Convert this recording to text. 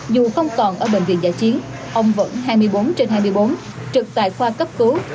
dù không còn ở bệnh viện giải chiến ông vẫn hai mươi bốn trên hai mươi bốn trực tại khoa cấp cứu